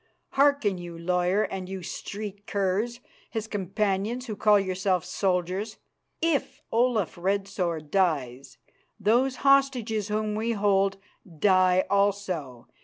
Hearken you, lawyer, and you street curs, his companions, who call yourselves soldiers. If Olaf Red Sword dies, those hostages whom we hold die also.